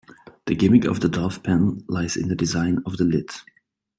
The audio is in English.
The gimmick of the dove pan lies in the design of the lid.